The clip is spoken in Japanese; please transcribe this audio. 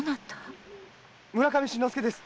村上伸之助です！